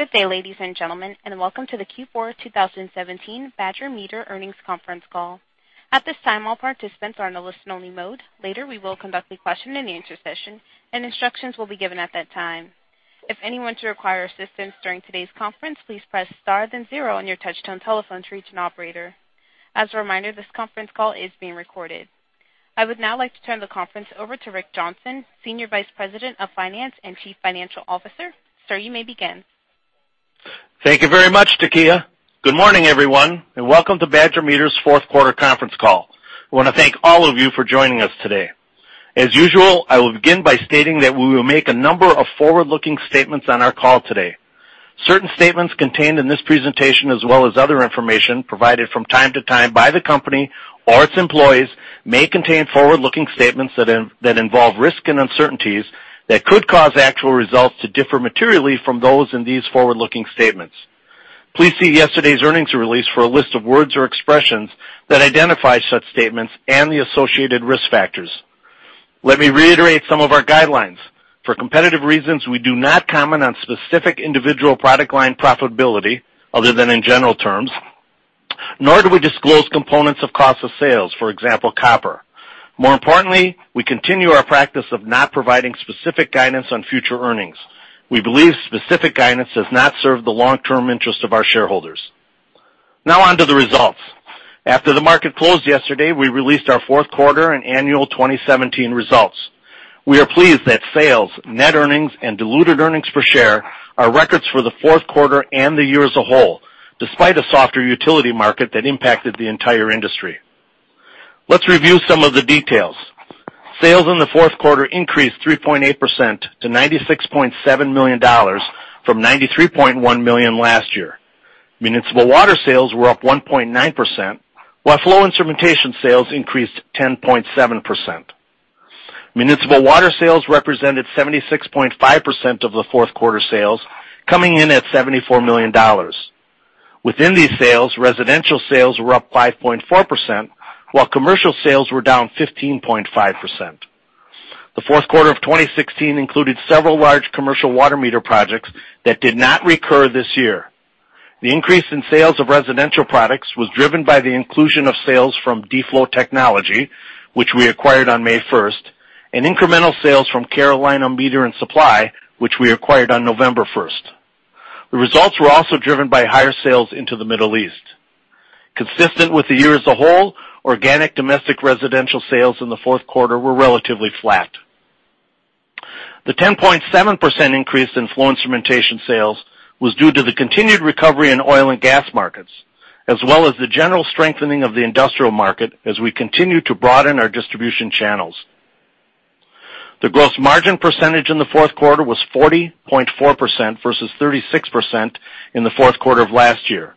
Good day, ladies and gentlemen, and welcome to the Q4 2017 Badger Meter Earnings Conference Call. At this time, all participants are in a listen-only mode. Later, we will conduct a question-and-answer session, and instructions will be given at that time. If anyone should require assistance during today's conference, please press star then zero on your touch-tone telephone to reach an operator. As a reminder, this conference call is being recorded. I would now like to turn the conference over to Rick Johnson, Senior Vice President of Finance and Chief Financial Officer. Sir, you may begin. Thank you very much, Takia. Good morning, everyone, and welcome to Badger Meter's fourth quarter conference call. I want to thank all of you for joining us today. As usual, I will begin by stating that we will make a number of forward-looking statements on our call today. Certain statements contained in this presentation, as well as other information provided from time to time by the company or its employees, may contain forward-looking statements that involve risk and uncertainties that could cause actual results to differ materially from those in these forward-looking statements. Please see yesterday's earnings release for a list of words or expressions that identify such statements and the associated risk factors. Let me reiterate some of our guidelines. For competitive reasons, we do not comment on specific individual product line profitability, other than in general terms, nor do we disclose components of cost of sales, for example, copper. More importantly, we continue our practice of not providing specific guidance on future earnings. We believe specific guidance does not serve the long-term interest of our shareholders. Now on to the results. After the market closed yesterday, we released our fourth quarter and annual 2017 results. We are pleased that sales, net earnings, and diluted earnings per share, are records for the fourth quarter and the year as a whole, despite a softer utility market that impacted the entire industry. Let's review some of the details. Sales in the fourth quarter increased 3.8% to $96.7 million from $93.1 million last year. Municipal water sales were up 1.9%, while flow instrumentation sales increased 10.7%. Municipal water sales represented 76.5% of the fourth quarter sales, coming in at $74 million. Within these sales, residential sales were up 5.4%, while commercial sales were down 15.5%. The fourth quarter of 2016 included several large commercial water meter projects that did not recur this year. The increase in sales of residential products was driven by the inclusion of sales from D-Flow Technology, which we acquired on May 1st, and incremental sales from Carolina Meter & Supply, which we acquired on November 1st. The results were also driven by higher sales into the Middle East. Consistent with the year as a whole, organic domestic residential sales in the fourth quarter were relatively flat. The 10.7% increase in flow instrumentation sales was due to the continued recovery in oil and gas markets, as well as the general strengthening of the industrial market as we continue to broaden our distribution channels. The gross margin percentage in the fourth quarter was 40.4% versus 36% in the fourth quarter of last year.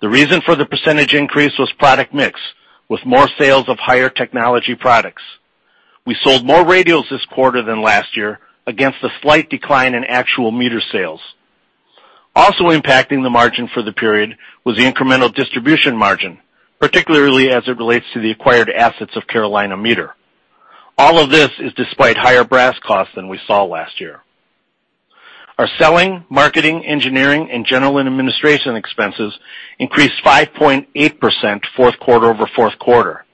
The reason for the percentage increase was product mix, with more sales of higher technology products. We sold more radios this quarter than last year against a slight decline in actual meter sales. Also impacting the margin for the period was the incremental distribution margin, particularly as it relates to the acquired assets of Carolina Meter. All of this is despite higher brass costs than we saw last year. Our selling, marketing, engineering, and general and administration expenses increased 5.8% fourth quarter-over-fourth quarter.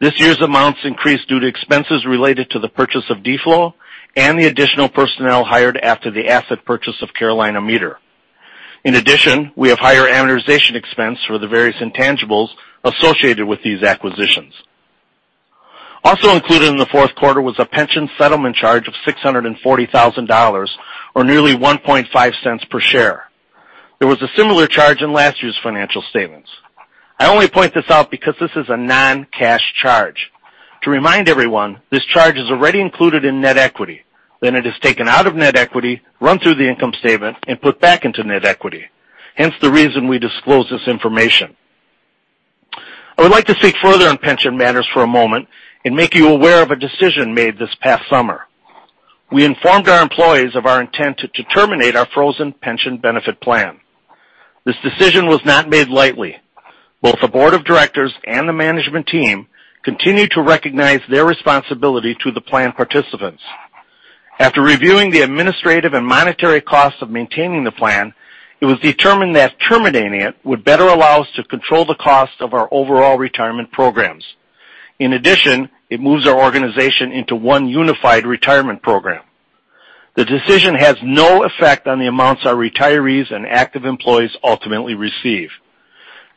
This year's amounts increased due to expenses related to the purchase of D-Flow and the additional personnel hired after the asset purchase of Carolina Meter. In addition, we have higher amortization expense for the various intangibles associated with these acquisitions. Also included in the fourth quarter was a pension settlement charge of $640,000, or nearly $0.015 per share. There was a similar charge in last year's financial statements. I only point this out because this is a non-cash charge. To remind everyone, this charge is already included in net equity. It is taken out of net equity, run through the income statement, and put back into net equity, hence the reason we disclose this information. I would like to speak further on pension matters for a moment and make you aware of a decision made this past summer. We informed our employees of our intent to terminate our frozen pension benefit plan. This decision was not made lightly. Both the board of directors and the management team continue to recognize their responsibility to the plan participants. After reviewing the administrative and monetary costs of maintaining the plan, it was determined that terminating it would better allow us to control the cost of our overall retirement programs. In addition, it moves our organization into one unified retirement program. The decision has no effect on the amounts our retirees and active employees ultimately receive.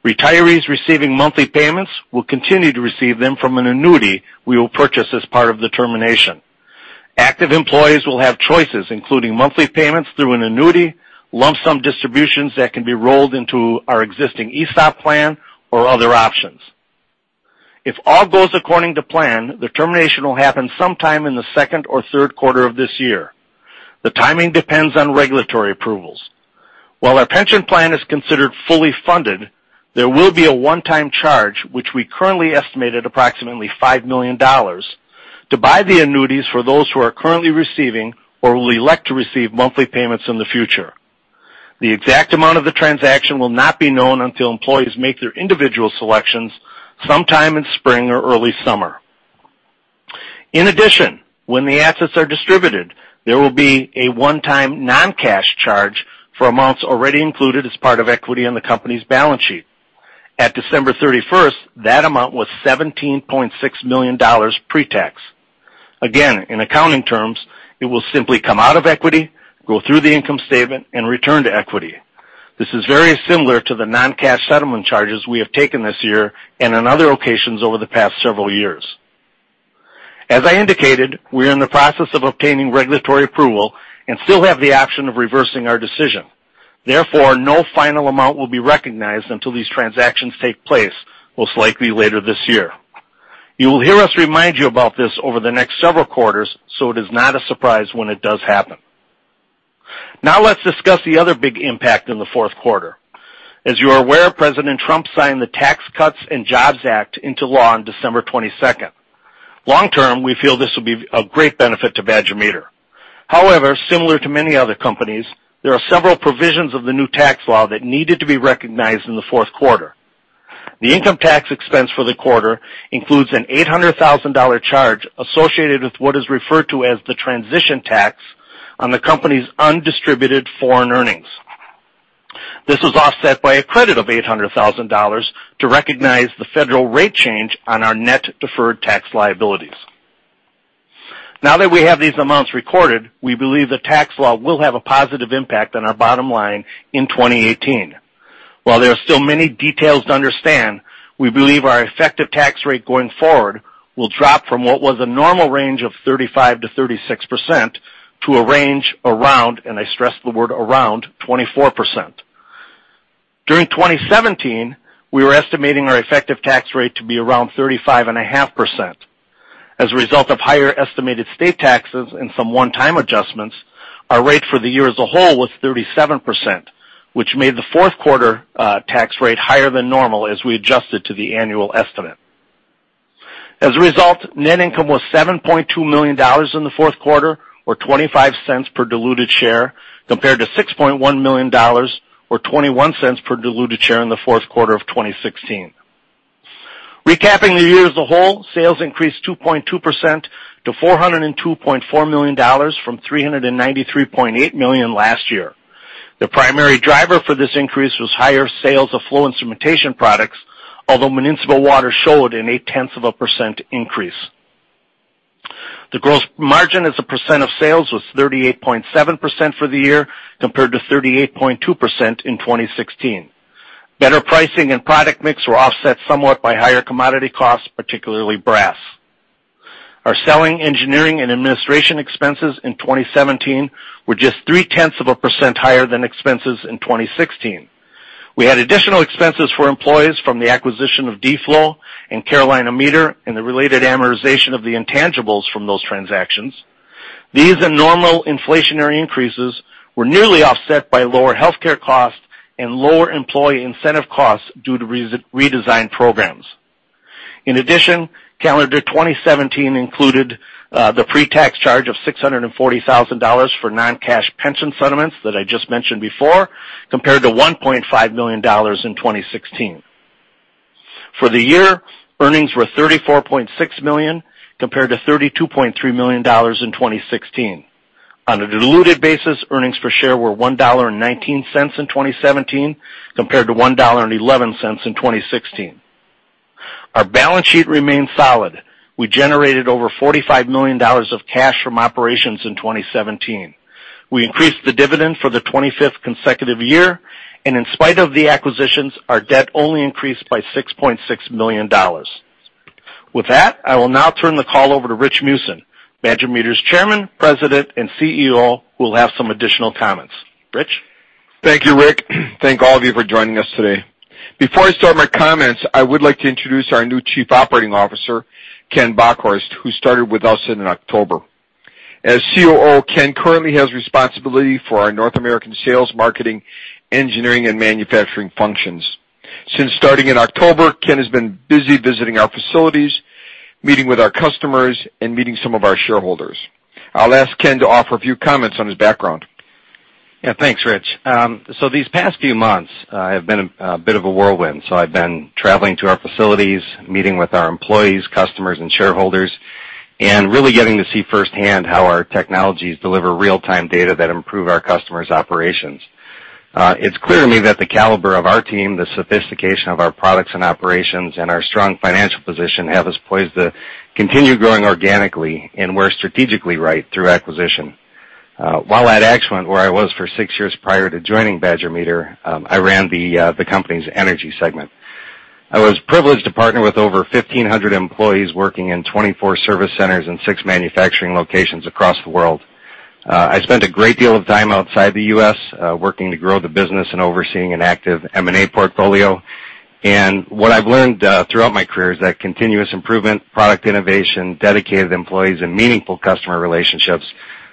Retirees receiving monthly payments will continue to receive them from an annuity we will purchase as part of the termination. Active employees will have choices, including monthly payments through an annuity, lump sum distributions that can be rolled into our existing ESOP plan, or other options. If all goes according to plan, the termination will happen sometime in the second or third quarter of this year. The timing depends on regulatory approvals. While our pension plan is considered fully funded, there will be a one-time charge, which we currently estimate at approximately $5 million, to buy the annuities for those who are currently receiving or will elect to receive monthly payments in the future. The exact amount of the transaction will not be known until employees make their individual selections sometime in spring or early summer. In addition, when the assets are distributed, there will be a one-time non-cash charge for amounts already included as part of equity on the company's balance sheet. At December 31st, that amount was $17.6 million pre-tax. In accounting terms, it will simply come out of equity, go through the income statement, and return to equity. This is very similar to the non-cash settlement charges we have taken this year and on other occasions over the past several years. As I indicated, we're in the process of obtaining regulatory approval and still have the option of reversing our decision. Therefore, no final amount will be recognized until these transactions take place, most likely later this year. You will hear us remind you about this over the next several quarters, so it is not a surprise when it does happen. Let's discuss the other big impact in the fourth quarter. As you are aware, President Trump signed the Tax Cuts and Jobs Act into law on December 22nd. Long-term, we feel this will be of great benefit to Badger Meter. Similar to many other companies, there are several provisions of the new tax law that needed to be recognized in the fourth quarter. The income tax expense for the quarter includes an $800,000 charge associated with what is referred to as the transition tax on the company's undistributed foreign earnings. This was offset by a credit of $800,000 to recognize the federal rate change on our net deferred tax liabilities. That we have these amounts recorded, we believe the tax law will have a positive impact on our bottom line in 2018. While there are still many details to understand, we believe our effective tax rate going forward will drop from what was a normal range of 35%-36% to a range around, and I stress the word around, 24%. During 2017, we were estimating our effective tax rate to be around 35.5%. As a result of higher estimated state taxes and some one-time adjustments, our rate for the year as a whole was 37%, which made the fourth quarter tax rate higher than normal as we adjusted to the annual estimate. As a result, net income was $7.2 million in the fourth quarter, or $0.25 per diluted share, compared to $6.1 million or $0.21 per diluted share in the fourth quarter of 2016. Recapping the year as a whole, sales increased 2.2% to $402.4 million from $393.8 million last year. The primary driver for this increase was higher sales of flow instrumentation products, although municipal water showed an eight-tenths of a percent increase. The gross margin as a percent of sales was 38.7% for the year compared to 38.2% in 2016. Better pricing and product mix were offset somewhat by higher commodity costs, particularly brass. Our selling, engineering, and administration expenses in 2017 were just three-tenths of a percent higher than expenses in 2016. We had additional expenses for employees from the acquisition of D-Flow and Carolina Meter and the related amortization of the intangibles from those transactions. These and normal inflationary increases were nearly offset by lower healthcare costs and lower employee incentive costs due to redesigned programs. Calendar 2017 included the pre-tax charge of $640,000 for non-cash pension settlements that I just mentioned before, compared to $1.5 million in 2016. For the year, earnings were $34.6 million compared to $32.3 million in 2016. On a diluted basis, earnings per share were $1.19 in 2017 compared to $1.11 in 2016. Our balance sheet remained solid. We generated over $45 million of cash from operations in 2017. We increased the dividend for the 25th consecutive year, and in spite of the acquisitions, our debt only increased by $6.6 million. With that, I will now turn the call over to Rich Meeusen, Badger Meter's Chairman, President, and CEO, who will have some additional comments. Rich? Thank you, Rick. Thank all of you for joining us today. Before I start my comments, I would like to introduce our new Chief Operating Officer, Ken Bockhorst, who started with us in October. As COO, Ken currently has responsibility for our North American sales, marketing, engineering, and manufacturing functions. Since starting in October, Ken has been busy visiting our facilities, meeting with our customers, and meeting some of our shareholders. I'll ask Ken to offer a few comments on his background. Thanks, Rich. These past few months have been a bit of a whirlwind. I've been traveling to our facilities, meeting with our employees, customers, and shareholders, and really getting to see firsthand how our technologies deliver real-time data that improve our customers' operations. It's clear to me that the caliber of our team, the sophistication of our products and operations, and our strong financial position have us poised to continue growing organically and we're strategically right through acquisition. While at Actuant, where I was for six years prior to joining Badger Meter, I ran the company's energy segment. I was privileged to partner with over 1,500 employees working in 24 service centers in six manufacturing locations across the world. I spent a great deal of time outside the U.S. working to grow the business and overseeing an active M&A portfolio. What I've learned throughout my career is that continuous improvement, product innovation, dedicated employees, and meaningful customer relationships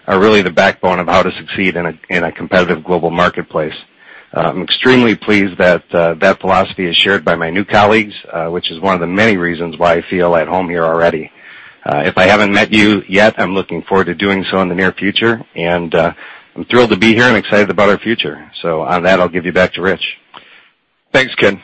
are really the backbone of how to succeed in a competitive global marketplace. I'm extremely pleased that that philosophy is shared by my new colleagues, which is one of the many reasons why I feel at home here already. If I haven't met you yet, I'm looking forward to doing so in the near future, and I'm thrilled to be here and excited about our future. On that, I'll give you back to Rich. Thanks, Ken.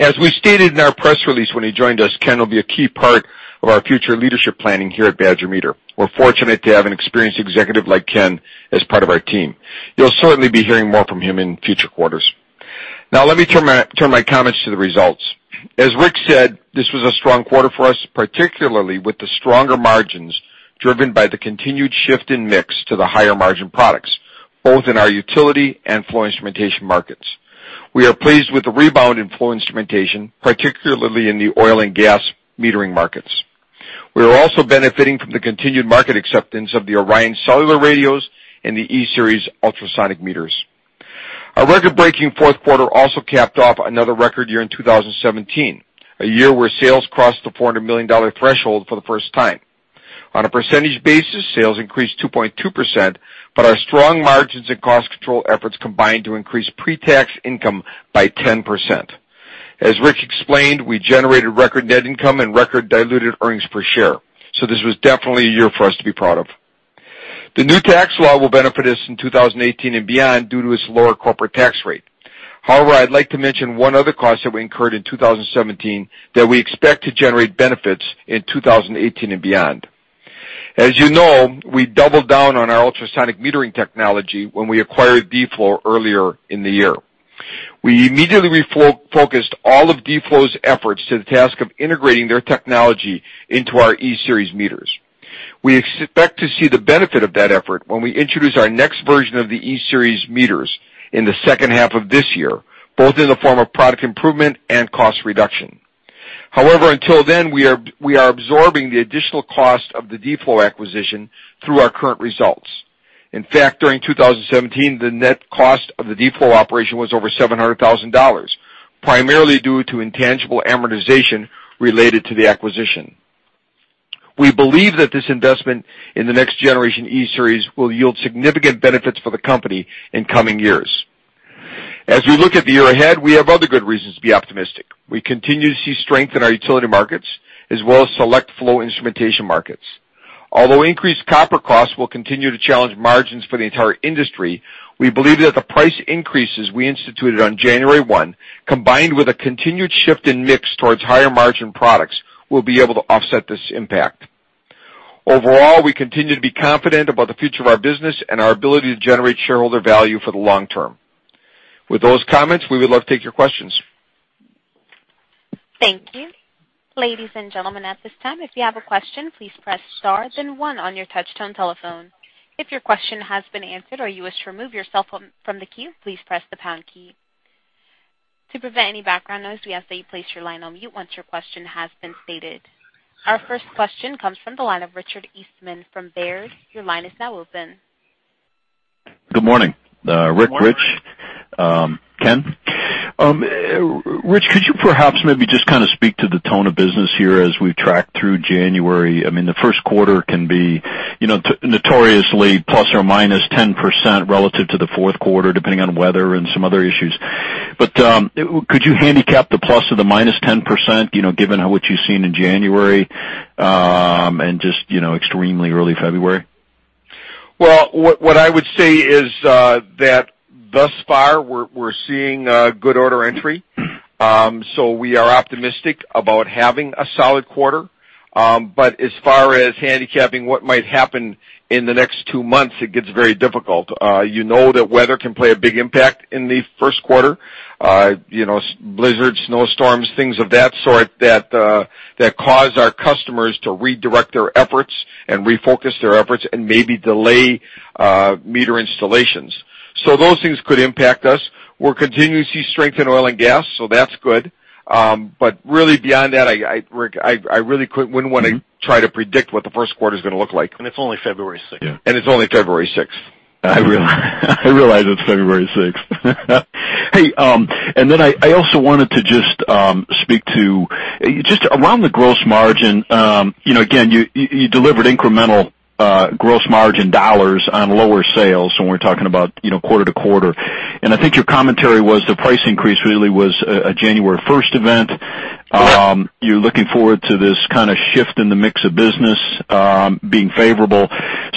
As we stated in our press release when he joined us, Ken will be a key part of our future leadership planning here at Badger Meter. We're fortunate to have an experienced executive like Ken as part of our team. You'll certainly be hearing more from him in future quarters. Let me turn my comments to the results. As Rick said, this was a strong quarter for us, particularly with the stronger margins driven by the continued shift in mix to the higher-margin products, both in our utility and flow instrumentation markets. We are pleased with the rebound in flow instrumentation, particularly in the oil and gas metering markets. We are also benefiting from the continued market acceptance of the ORION cellular radios and the E-Series ultrasonic meters. Our record-breaking fourth quarter also capped off another record year in 2017, a year where sales crossed the $400 million threshold for the first time. On a percentage basis, sales increased 2.2%. Our strong margins and cost control efforts combined to increase pre-tax income by 10%. As Rick explained, we generated record net income and record diluted earnings per share. This was definitely a year for us to be proud of. The new tax law will benefit us in 2018 and beyond due to its lower corporate tax rate. However, I'd like to mention one other cost that we incurred in 2017 that we expect to generate benefits in 2018 and beyond. As you know, we doubled down on our ultrasonic metering technology when we acquired D-Flow earlier in the year. We immediately refocused all of D-Flow's efforts to the task of integrating their technology into our E-Series meters. We expect to see the benefit of that effort when we introduce our next version of the E-Series meters in the second half of this year, both in the form of product improvement and cost reduction. However, until then, we are absorbing the additional cost of the D-Flow acquisition through our current results. In fact, during 2017, the net cost of the D-Flow operation was over $700,000, primarily due to intangible amortization related to the acquisition. We believe that this investment in the next generation E-Series will yield significant benefits for the company in coming years. As we look at the year ahead, we have other good reasons to be optimistic. We continue to see strength in our utility markets, as well as select flow instrumentation markets. Although increased copper costs will continue to challenge margins for the entire industry, we believe that the price increases we instituted on January 1, combined with a continued shift in mix towards higher-margin products, we'll be able to offset this impact. Overall, we continue to be confident about the future of our business and our ability to generate shareholder value for the long term. With those comments, we would love to take your questions. Thank you. Ladies and gentlemen, at this time, if you have a question, please press star, then one on your touch-tone telephone. If your question has been answered or you wish to remove yourself from the queue, please press the pound key. To prevent any background noise, we ask that you place your line on mute once your question has been stated. Our first question comes from the line of Richard Eastman from Baird. Your line is now open. Good morning. Good morning. Rick, Rich, Ken. Rich, could you perhaps maybe just kind of speak to the tone of business here as we've tracked through January? The first quarter can be notoriously plus or minus 10% relative to the fourth quarter, depending on weather and some other issues. Could you handicap the plus or the minus 10% given what you've seen in January and just extremely early February? Well, what I would say is that thus far, we're seeing good order entry. We are optimistic about having a solid quarter. As far as handicapping what might happen in the next two months, it gets very difficult. You know that weather can play a big impact in the first quarter. Blizzards, snowstorms, things of that sort that cause our customers to redirect their efforts and refocus their efforts, and maybe delay meter installations. Those things could impact us. We're continuing to see strength in oil and gas, so that's good. Really beyond that, Rick, I really wouldn't want to try to predict what the first quarter is going to look like. It's only February 6th. It's only February 6th. I realize it's February 6th. I also wanted to just speak to just around the gross margin. Again, you delivered incremental gross margin dollars on lower sales, and we're talking about quarter-to-quarter. I think your commentary was the price increase really was a January 1st event. Correct. You're looking forward to this kind of shift in the mix of business being favorable.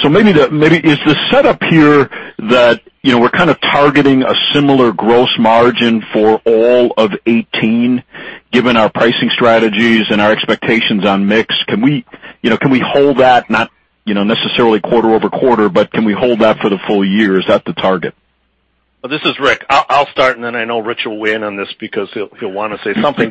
Maybe is the setup here that we're kind of targeting a similar gross margin for all of 2018, given our pricing strategies and our expectations on mix? Can we hold that, not necessarily quarter-over-quarter, but can we hold that for the full year? Is that the target? This is Rick. I'll start, then I know Rich will weigh in on this because he'll want to say something.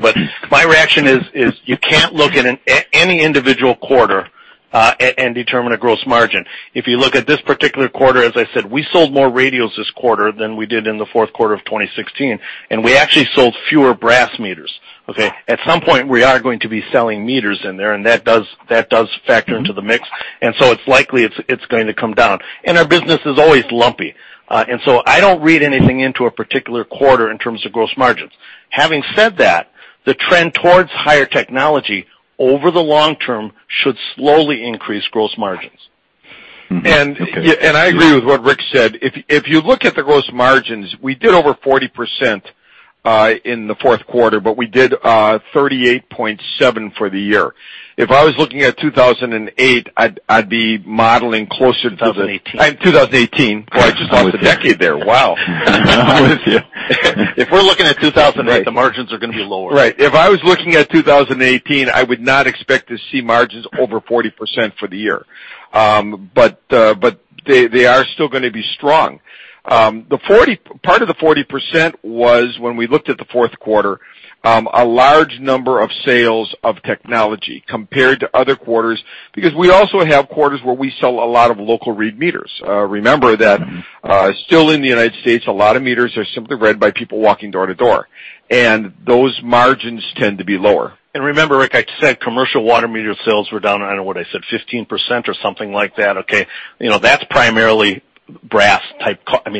My reaction is you can't look at any individual quarter and determine a gross margin. If you look at this particular quarter, as I said, we sold more radios this quarter than we did in the fourth quarter of 2016, and we actually sold fewer brass meters. Okay? At some point, we are going to be selling meters in there, and that does factor into the mix. It's likely it's going to come down. Our business is always lumpy. I don't read anything into a particular quarter in terms of gross margins. Having said that, the trend towards higher technology over the long term should slowly increase gross margins. Okay. I agree with what Rick said. If you look at the gross margins, we did over 40% in the fourth quarter, but we did 38.7% for the year. If I was looking at 2008, I'd be modeling closer to the- 2018. 2018. Boy, I just lost a decade there. Wow. I'm with you. If we're looking at 2018, the margins are going to be lower. Right. If I was looking at 2018, I would not expect to see margins over 40% for the year. They are still going to be strong. Part of the 40% was when we looked at the fourth quarter, a large number of sales of technology compared to other quarters, because we also have quarters where we sell a lot of local read meters. Remember that still in the U.S., a lot of meters are simply read by people walking door to door, those margins tend to be lower. Remember, Rick, I said commercial water meter sales were down, I don't know what I said, 15% or something like that. Okay.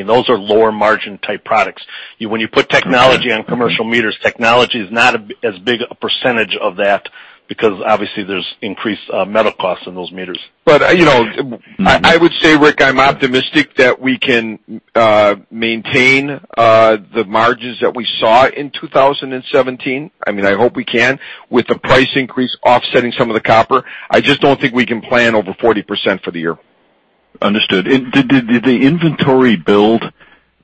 Those are lower margin type products. When you put technology on commercial meters, technology is not as big a percentage of that, because obviously there's increased metal costs in those meters. I would say, Rick, I'm optimistic that we can maintain the margins that we saw in 2017. I hope we can. With the price increase offsetting some of the copper, I just don't think we can plan over 40% for the year. Understood. Did the inventory build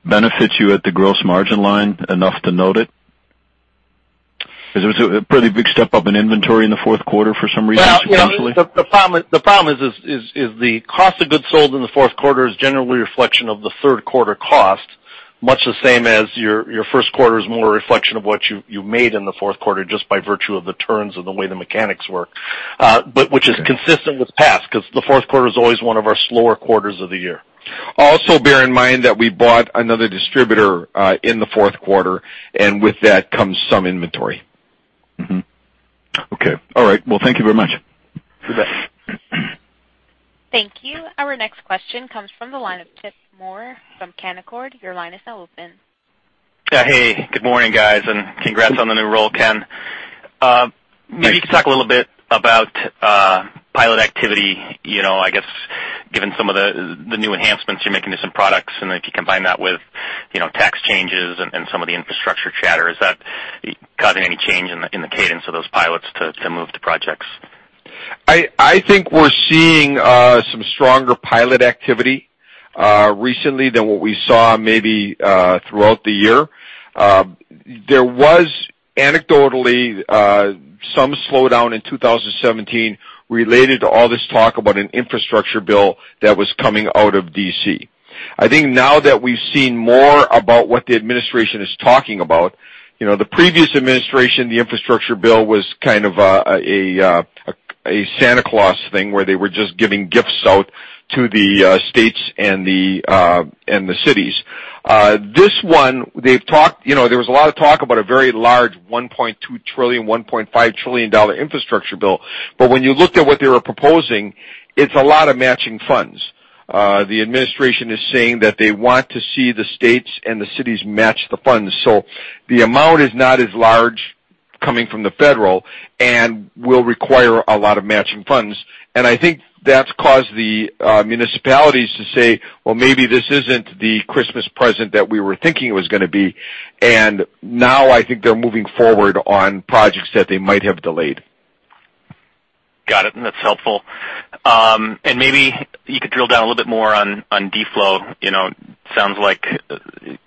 benefit you at the gross margin line enough to note it? It was a pretty big step up in inventory in the fourth quarter for some reason. The problem is the cost of goods sold in the fourth quarter is generally a reflection of the third quarter cost, much the same as your first quarter is more a reflection of what you made in the fourth quarter just by virtue of the turns and the way the mechanics work. Which is consistent with past, because the fourth quarter is always one of our slower quarters of the year. Also bear in mind that we bought another distributor in the fourth quarter, and with that comes some inventory. Okay. All right. Well, thank you very much. You bet. Thank you. Our next question comes from the line of Chip Moore from Canaccord. Your line is now open. Hey, good morning, guys. Congrats on the new role, Ken. Maybe you could talk a little bit about pilot activity, I guess given some of the new enhancements you're making to some products, and if you combine that with tax changes and some of the infrastructure chatter, is that causing any change in the cadence of those pilots to move to projects? I think we're seeing some stronger pilot activity recently than what we saw maybe throughout the year. There was anecdotally some slowdown in 2017 related to all this talk about an infrastructure bill that was coming out of D.C. I think now that we've seen more about what the administration is talking about, the previous administration, the infrastructure bill was kind of a Santa Claus thing where they were just giving gifts out to the states and the cities. This one, there was a lot of talk about a very large $1.2 trillion, $1.5 trillion infrastructure bill. When you looked at what they were proposing, it's a lot of matching funds. The administration is saying that they want to see the states and the cities match the funds. The amount is not as large coming from the federal and will require a lot of matching funds. I think that's caused the municipalities to say, "Well, maybe this isn't the Christmas present that we were thinking it was going to be." Now I think they're moving forward on projects that they might have delayed. Got it. That's helpful. Maybe you could drill down a little bit more on D-Flow. Sounds like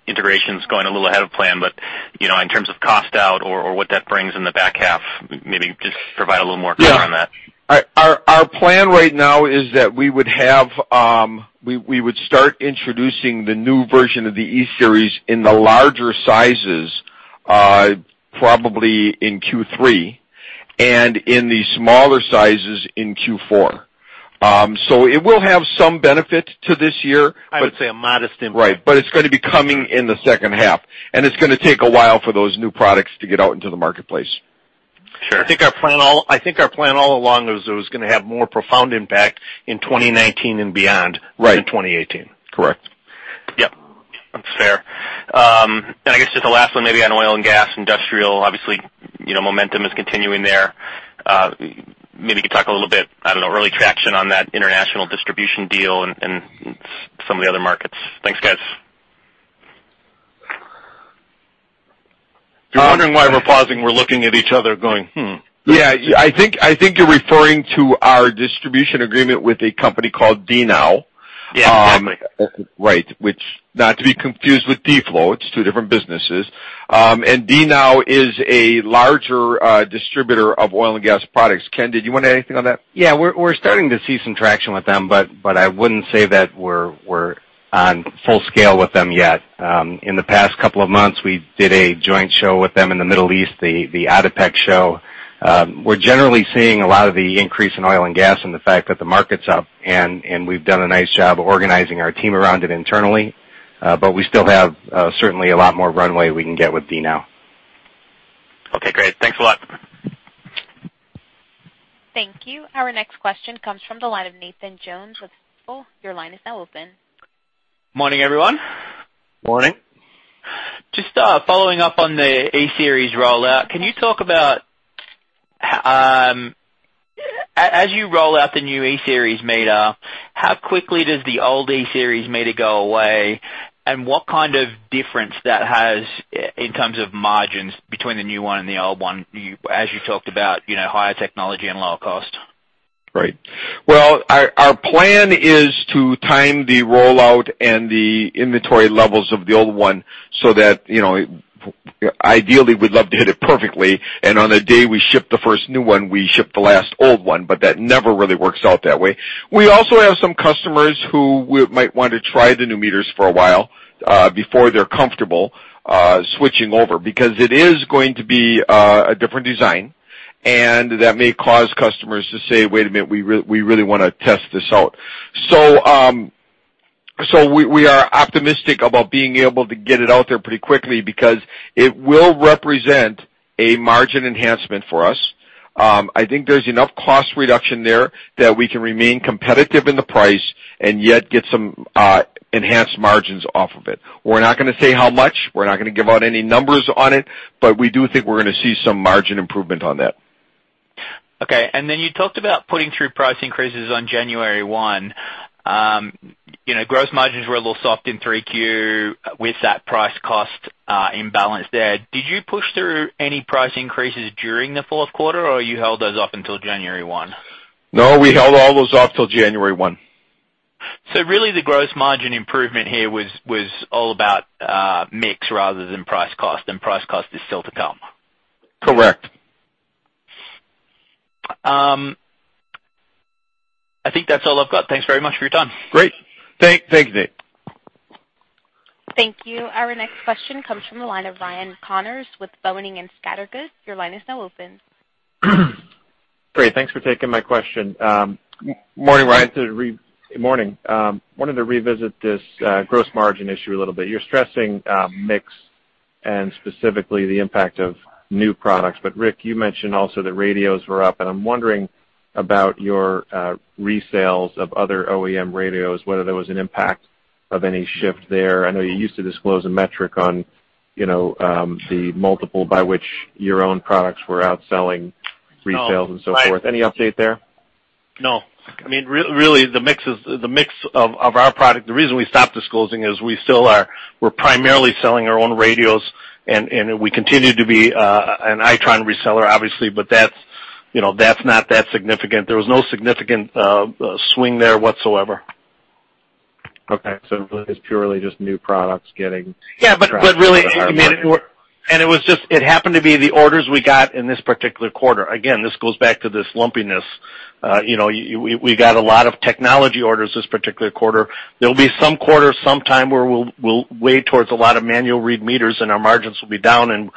integration's going a little ahead of plan, in terms of cost out or what that brings in the back half, maybe just provide a little more color on that. Our plan right now is that we would start introducing the new version of the E-Series in the larger sizes probably in Q3, in the smaller sizes in Q4. It will have some benefit to this year. I would say a modest impact. Right. It's going to be coming in the second half, it's going to take a while for those new products to get out into the marketplace. Sure. I think our plan all along was it was going to have more profound impact in 2019 and beyond. Right than 2018. Correct. Yep. That's fair. I guess just the last one maybe on oil and gas, industrial, obviously, momentum is continuing there. Maybe you could talk a little bit, I don't know, early traction on that international distribution deal and some of the other markets. Thanks, guys. If you're wondering why we're pausing, we're looking at each other going, "Hmm. Yeah, I think you're referring to our distribution agreement with a company called DNOW. Yeah, exactly. Right. Which, not to be confused with D-Flow, it's two different businesses. DNOW is a larger distributor of oil and gas products. Ken, did you want to add anything on that? Yeah, we're starting to see some traction with them, but I wouldn't say that we're on full scale with them yet. In the past couple of months, we did a joint show with them in the Middle East, the ADIPEC show. We're generally seeing a lot of the increase in oil and gas and the fact that the market's up, and we've done a nice job organizing our team around it internally. We still have certainly a lot more runway we can get with DNOW. Okay, great. Thanks a lot. Thank you. Our next question comes from the line of Nathan Jones with Stifel. Your line is now open. Morning, everyone. Morning. Just following up on the E-Series rollout. As you roll out the new E-Series meter, how quickly does the old E-Series meter go away, and what kind of difference that has in terms of margins between the new one and the old one, as you talked about higher technology and lower cost? Right. Well, our plan is to time the rollout and the inventory levels of the old one so that, ideally, we'd love to hit it perfectly, and on the day we ship the first new one, we ship the last old one, but that never really works out that way. We also have some customers who might want to try the new meters for a while, before they're comfortable switching over, because it is going to be a different design, and that may cause customers to say, "Wait a minute. We really want to test this out." We are optimistic about being able to get it out there pretty quickly because it will represent a margin enhancement for us. I think there's enough cost reduction there that we can remain competitive in the price and yet get some enhanced margins off of it. We're not going to say how much, we're not going to give out any numbers on it, but we do think we're going to see some margin improvement on that. Okay. You talked about putting through price increases on January 1. Gross margins were a little soft in Q3 with that price cost imbalance there. Did you push through any price increases during the fourth quarter, or you held those off until January 1? No, we held all those off till January 1. Really the gross margin improvement here was all about mix rather than price cost, and price cost is still to come. Correct. I think that's all I've got. Thanks very much for your time. Great. Thanks, Nate. Thank you. Our next question comes from the line of Ryan Connors with Boenning & Scattergood. Your line is now open. Great. Thanks for taking my question. Yeah. Morning. Wanted to revisit this gross margin issue a little bit. You're stressing mix and specifically the impact of new products. Rick, you mentioned also that radios were up, and I'm wondering about your resales of other OEM radios, whether there was an impact of any shift there. I know you used to disclose a metric on the multiple by which your own products were outselling resales and so forth. Any update there? No. Really, the mix of our product, the reason we stopped disclosing is we still are primarily selling our own radios, and we continue to be an Itron reseller, obviously, but that's not that significant. There was no significant swing there whatsoever. Okay. it's purely just new products getting. Yeah, but really it happened to be the orders we got in this particular quarter. Again, this goes back to this lumpiness. We got a lot of technology orders this particular quarter. There'll be some quarter sometime where we'll weigh towards a lot of manual read meters, and our margins will be down, and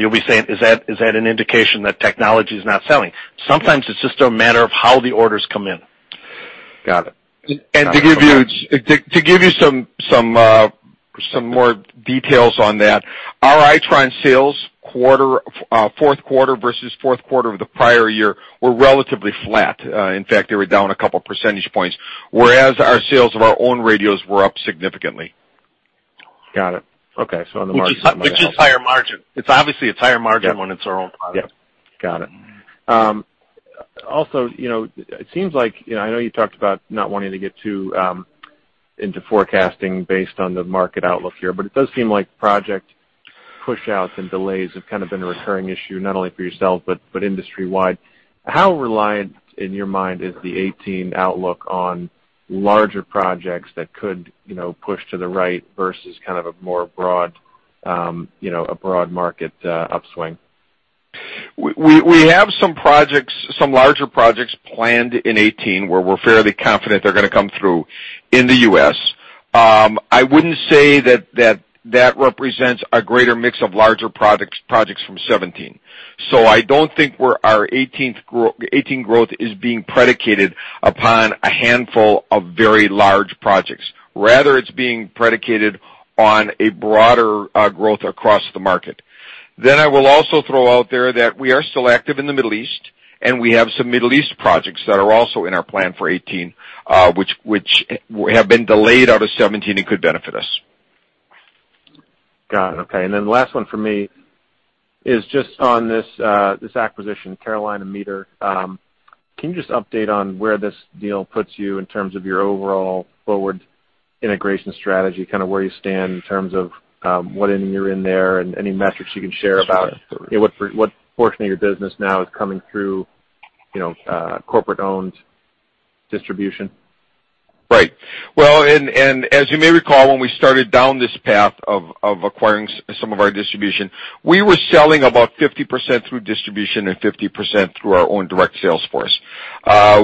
you'll be saying, "Is that an indication that technology's not selling?" Sometimes it's just a matter of how the orders come in. Got it. To give you some more details on that, our Itron sales fourth quarter versus fourth quarter of the prior year were relatively flat. In fact, they were down a couple percentage points, whereas our sales of our own radios were up significantly. Got it. Okay. On the margin side. Which is higher margin. Yeah When it's our own product. Yeah. Got it. It seems like, I know you talked about not wanting to get too into forecasting based on the market outlook here, but it does seem like project push-outs and delays have kind of been a recurring issue, not only for yourself, but industry-wide. How reliant, in your mind, is the 2018 outlook on larger projects that could push to the right versus kind of a broad market upswing? We have some larger projects planned in 2018, where we're fairly confident they're going to come through in the U.S. I wouldn't say that represents a greater mix of larger projects from 2017. I don't think our 2018 growth is being predicated upon a handful of very large projects. Rather, it's being predicated on a broader growth across the market. I will also throw out there that we are still active in the Middle East, and we have some Middle East projects that are also in our plan for 2018, which have been delayed out of 2017 and could benefit us. Got it. Okay. The last one from me is just on this acquisition, Carolina Meter. Can you just update on where this deal puts you in terms of your overall forward integration strategy, kind of where you stand in terms of what end you're in there, and any metrics you can share about what portion of your business now is coming through corporate-owned distribution? Right. Well, as you may recall, when we started down this path of acquiring some of our distribution, we were selling about 50% through distribution and 50% through our own direct sales force.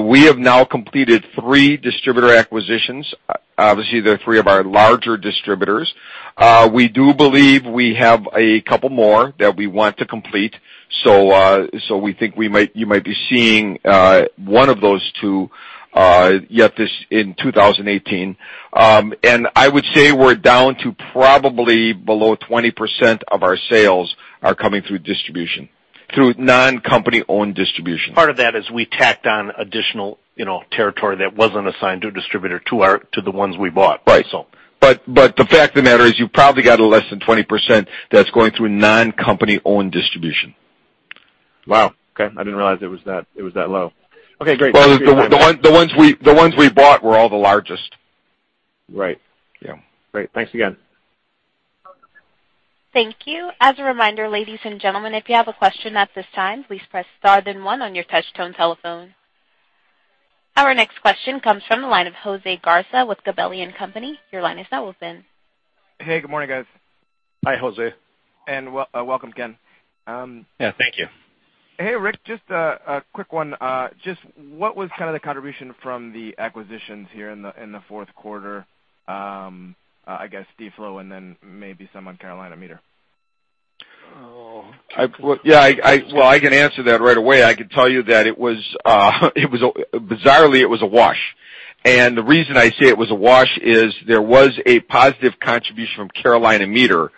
We have now completed three distributor acquisitions. Obviously, they're three of our larger distributors. We do believe we have a couple more that we want to complete. We think you might be seeing one of those two yet in 2018. I would say we're down to probably below 20% of our sales are coming through distribution, through non-company-owned distribution. Part of that is we tacked on additional territory that wasn't assigned to a distributor to the ones we bought. Right. So. The fact of the matter is, you probably got less than 20% that's going through non-company-owned distribution. Wow, okay. I didn't realize it was that low. Okay, great. Well, the ones we bought were all the largest. Right. Yeah. Great. Thanks again. Thank you. As a reminder, ladies and gentlemen, if you have a question at this time, please press star then one on your touch-tone telephone. Our next question comes from the line of Jose Garza with Gabelli & Company. Your line is now open. Hey, good morning, guys. Hi, Jose. Welcome, Ken. Yeah, thank you. Hey, Rick, just a quick one. What was the contribution from the acquisitions here in the fourth quarter? I guess D-Flow and then maybe some on Carolina Meter. Oh. Yeah. Well, I can answer that right away. I can tell you that bizarrely, it was a wash. The reason I say it was a wash is there was a positive contribution from Carolina Meter,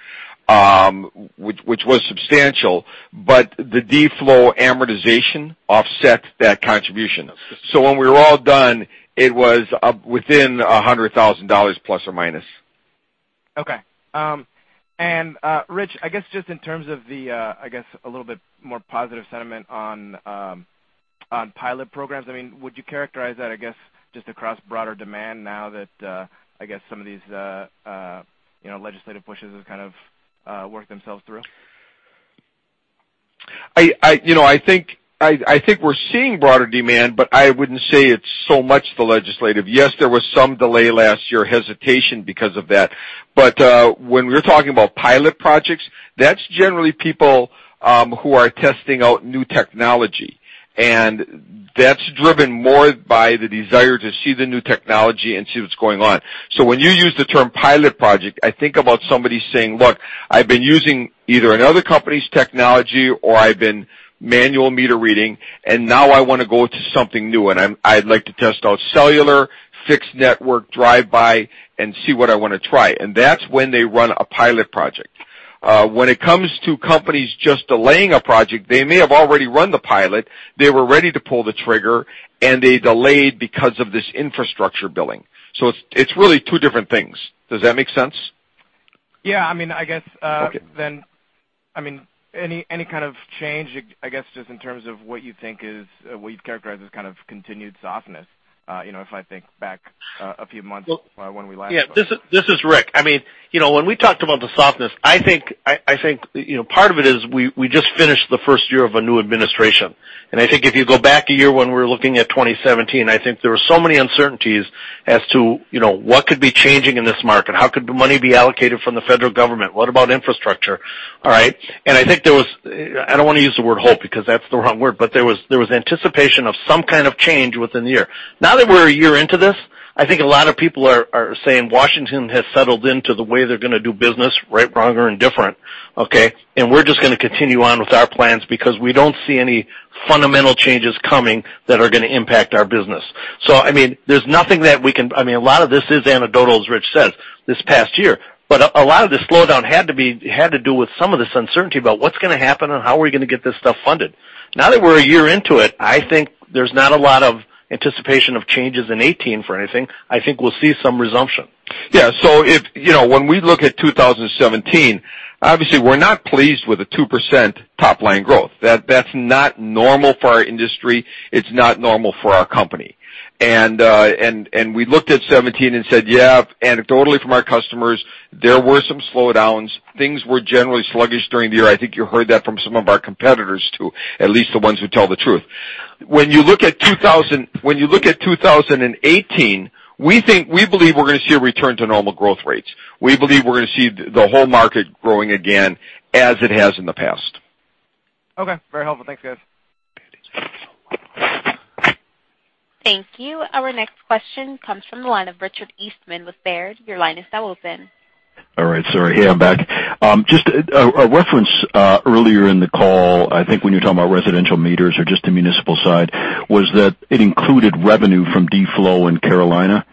which was substantial, the D-Flow amortization offset that contribution. When we were all done, it was within $100,000 plus or minus. Okay. Rich, I guess just in terms of the, I guess, a little bit more positive sentiment on pilot programs. Would you characterize that, I guess, just across broader demand now that some of these legislative pushes have worked themselves through? I think we're seeing broader demand, I wouldn't say it's so much the legislative. Yes, there was some delay last year, hesitation because of that. When we're talking about pilot projects, that's generally people who are testing out new technology, and that's driven more by the desire to see the new technology and see what's going on. When you use the term pilot project, I think about somebody saying, "Look, I've been using either another company's technology or I've been manual meter reading, and now I want to go to something new, and I'd like to test out cellular, fixed network, drive-by and see what I want to try." That's when they run a pilot project. When it comes to companies just delaying a project, they may have already run the pilot, they were ready to pull the trigger, and they delayed because of this infrastructure billing. It's really two different things. Does that make sense? Yeah. Okay. Any kind of change, I guess, just in terms of what you think is what you'd characterize as kind of continued softness? Yeah. This is Rick. When we talked about the softness, I think part of it is we just finished the first year of a new administration. I think if you go back a year when we're looking at 2017, I think there were so many uncertainties as to what could be changing in this market. How could money be allocated from the federal government? What about infrastructure? All right. I think there was, I don't want to use the word hope, because that's the wrong word, but there was anticipation of some kind of change within the year. Now that we're a year into this, I think a lot of people are saying Washington has settled into the way they're going to do business right, wrong or indifferent, okay? We're just going to continue on with our plans because we don't see any fundamental changes coming that are going to impact our business. There's nothing that we can. A lot of this is anecdotal, as Rich said, this past year. A lot of the slowdown had to do with some of this uncertainty about what's going to happen and how are we going to get this stuff funded. Now that we're a year into it, I think there's not a lot of anticipation of changes in '18 for anything. I think we'll see some resumption. Yeah. When we look at 2017, obviously we're not pleased with a 2% top-line growth. That's not normal for our industry. It's not normal for our company. We looked at '17 and said, yeah, anecdotally from our customers, there were some slowdowns. Things were generally sluggish during the year. I think you heard that from some of our competitors, too, at least the ones who tell the truth. When you look at 2018, we believe we're going to see a return to normal growth rates. We believe we're going to see the whole market growing again as it has in the past. Okay. Very helpful. Thanks, guys. Thank you. Our next question comes from the line of Richard Eastman with Baird. Your line is now open. All right. Sorry. Hey, I'm back. Just a reference earlier in the call, I think when you were talking about residential meters or just the municipal side, was that it included revenue from D-Flow and Carolina.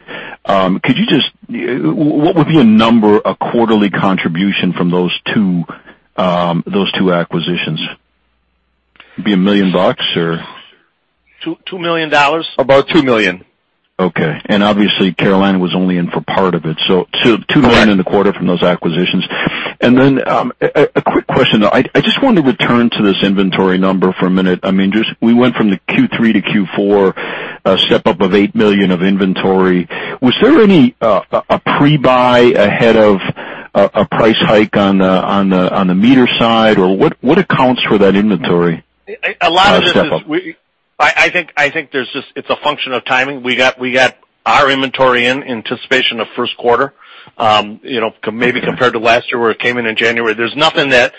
What would be a number, a quarterly contribution from those two acquisitions? Be $1 million, or? $2 million? About $2 million. Okay. Obviously Carolina was only in for part of it. $2 million Correct A quick question, though. I just want to return to this inventory number for a minute. We went from the Q3 to Q4 step-up of $8 million of inventory. Was there any pre-buy ahead of a price hike on the meter side, or what accounts for that inventory step-up? A lot of it is, I think it's a function of timing. We got our inventory in anticipation of first quarter, maybe compared to last year where it came in in January. There's nothing that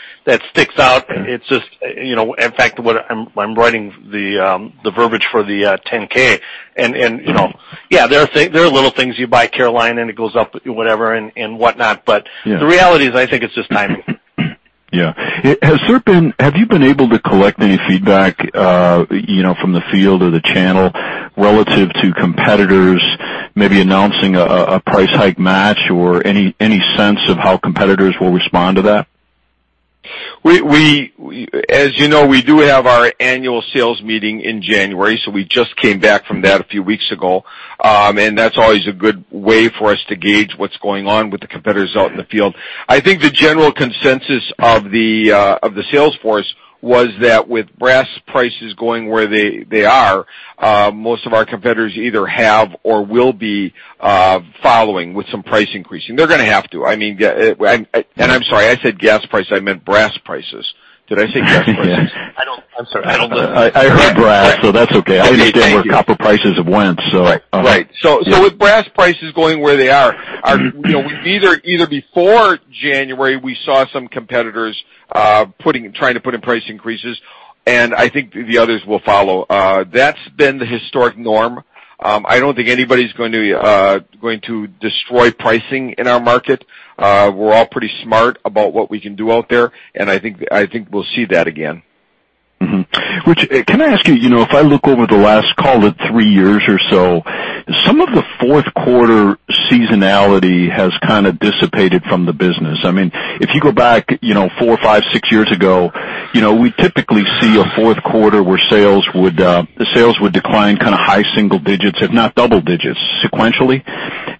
sticks out. In fact, I'm writing the verbiage for the 10-K, and yeah, there are little things you buy Carolina and it goes up, whatever and whatnot, but- Yeah The reality is, I think it's just timing. Yeah. Have you been able to collect any feedback from the field or the channel relative to competitors maybe announcing a price hike match or any sense of how competitors will respond to that? As you know, we do have our annual sales meeting in January, so we just came back from that a few weeks ago. That's always a good way for us to gauge what's going on with the competitors out in the field. I think the general consensus of the sales force was that with brass prices going where they are, most of our competitors either have or will be following with some price increasing. They're going to have to. I'm sorry, I said gas price, I meant brass prices. Did I say brass prices? I'm sorry. I heard brass, so that's okay. Okay. Thank you. I understand where copper prices have went. Right. With brass prices going where they are before January, we saw some competitors trying to put in price increases, and I think the others will follow. That's been the historic norm. I don't think anybody's going to destroy pricing in our market. We're all pretty smart about what we can do out there, and I think we'll see that again. Mm-hmm. Can I ask you, if I look over the last, call it three years or so, some of the fourth quarter seasonality has kind of dissipated from the business. If you go back four or five, six years ago, we'd typically see a fourth quarter where the sales would decline kind of high single digits, if not double digits sequentially.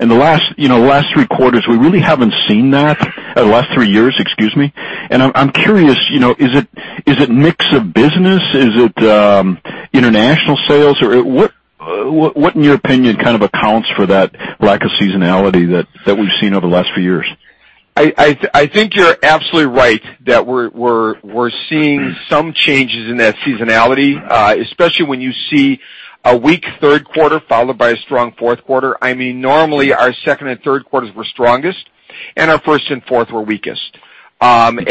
In the last three quarters, we really haven't seen that. The last three years, excuse me. I'm curious, is it mix of business? Is it international sales? Or what, in your opinion, kind of accounts for that lack of seasonality that we've seen over the last few years? I think you're absolutely right that we're seeing some changes in that seasonality, especially when you see a weak third quarter followed by a strong fourth quarter. Normally, our second and third quarters were strongest, and our first and fourth were weakest. We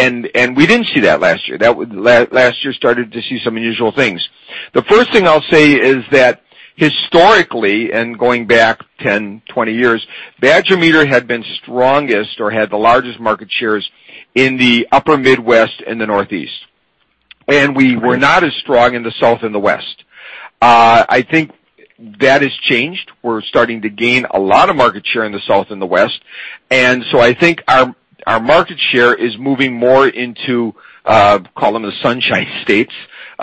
didn't see that last year. Last year, started to see some unusual things. The first thing I'll say is that historically, going back 10, 20 years, Badger Meter had been strongest or had the largest market shares in the upper Midwest and the Northeast. We were not as strong in the South and the West. I think that has changed. We're starting to gain a lot of market share in the South and the West. I think our market share is moving more into, call them the sunshine states,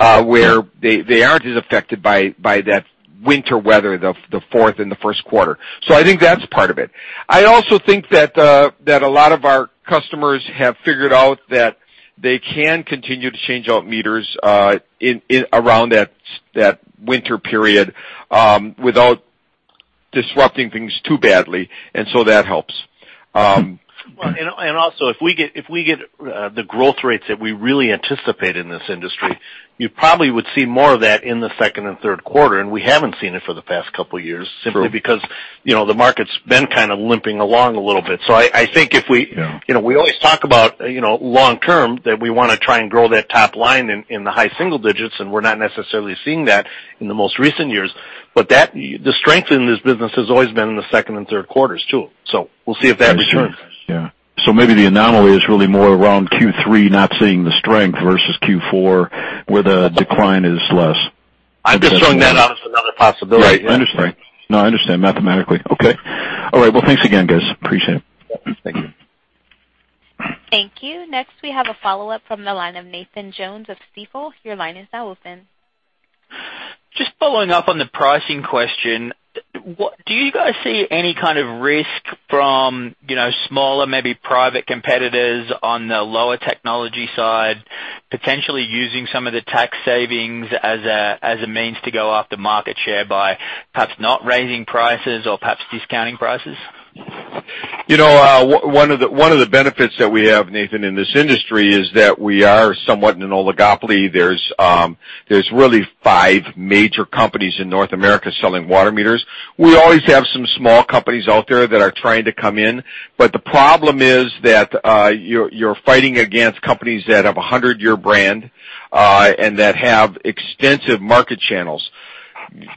where they aren't as affected by that winter weather, the fourth and the first quarter. I think that's part of it. I also think that a lot of our customers have figured out that they can continue to change out meters around that winter period, without disrupting things too badly. That helps. Also, if we get the growth rates that we really anticipate in this industry, you probably would see more of that in the second and third quarter, and we haven't seen it for the past couple of years. Sure Simply because the market's been kind of limping along a little bit. I think if we. Yeah We always talk about long-term, that we want to try and grow that top line in the high single digits, and we're not necessarily seeing that in the most recent years. The strength in this business has always been in the second and third quarters, too. We'll see if that returns. I see. Yeah. Maybe the anomaly is really more around Q3 not seeing the strength versus Q4, where the decline is less. I'm just throwing that out as another possibility. Right. I understand. No, I understand mathematically. Okay. All right. Well, thanks again, guys. Appreciate it. Thank you. Thank you. Next, we have a follow-up from the line of Nathan Jones of Stifel. Your line is now open. Just following up on the pricing question. Do you guys see any kind of risk from smaller, maybe private competitors on the lower technology side, potentially using some of the tax savings as a means to go after market share by perhaps not raising prices or perhaps discounting prices? One of the benefits that we have, Nathan, in this industry, is that we are somewhat in an oligopoly. There's really five major companies in North America selling water meters. We always have some small companies out there that are trying to come in, but the problem is that you're fighting against companies that have 100-year brand, and that have extensive market channels.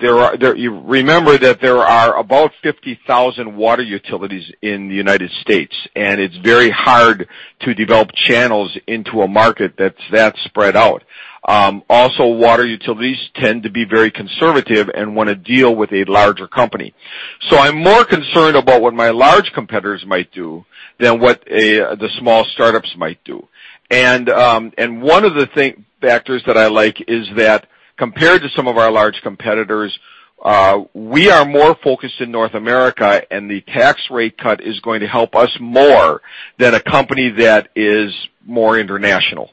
Remember that there are about 50,000 water utilities in the U.S., and it's very hard to develop channels into a market that's that spread out. Also, water utilities tend to be very conservative and want to deal with a larger company. I'm more concerned about what my large competitors might do than what the small startups might do. One of the factors that I like is that compared to some of our large competitors, we are more focused in North America, and the tax rate cut is going to help us more than a company that is more international.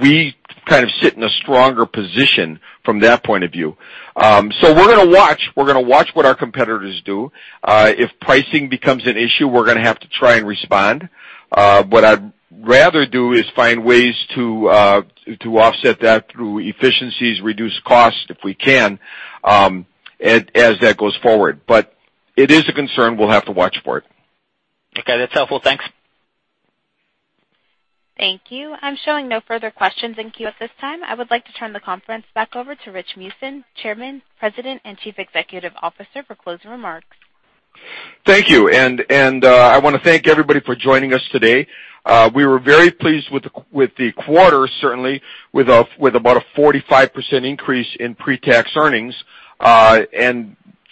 We kind of sit in a stronger position from that point of view. We're going to watch what our competitors do. If pricing becomes an issue, we're going to have to try and respond. What I'd rather do is find ways to offset that through efficiencies, reduce cost, if we can, as that goes forward. It is a concern. We'll have to watch for it. Okay. That's helpful. Thanks. Thank you. I'm showing no further questions in queue at this time. I would like to turn the conference back over to Rich Meeusen, chairman, president, and chief executive officer, for closing remarks. Thank you. I want to thank everybody for joining us today. We were very pleased with the quarter, certainly, with about a 45% increase in pre-tax earnings.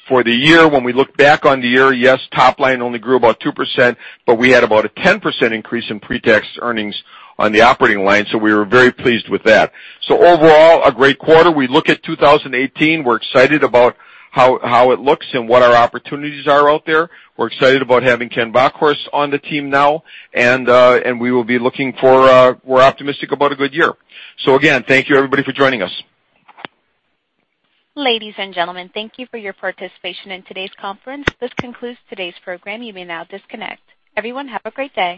For the year, when we look back on the year, yes, top line only grew about 2%, but we had about a 10% increase in pre-tax earnings on the operating line. We were very pleased with that. Overall, a great quarter. We look at 2018, we're excited about how it looks and what our opportunities are out there. We're excited about having Ken Bockhorst on the team now. We're optimistic about a good year. Again, thank you, everybody, for joining us. Ladies and gentlemen, thank you for your participation in today's conference. This concludes today's program. You may now disconnect. Everyone, have a great day.